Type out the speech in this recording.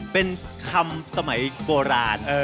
เป็นคำสมัยโบราณ